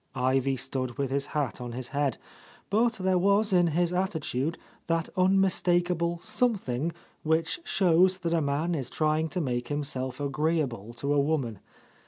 Ivy stood with his hat on his head, but there was in his attitude that unmistakable, something which shows that a man is trying to make himself agree able to a woman.